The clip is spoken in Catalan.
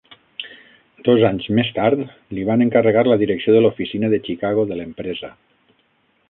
Dos anys més tard, li van encarregar la direcció de l'oficina de Chicago de l'empresa.